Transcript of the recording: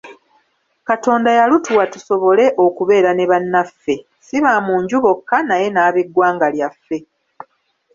Katonda yalutuwa tusobole okubeera ne bannaffe, ssi ba mu nju bokka, naye n'ab'eggwanga lyaffe.